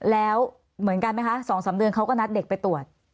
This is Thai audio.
แล้วเหมือนกันไหมคะ๒๓เดือนเขาก็นัดเด็กไปตรวจ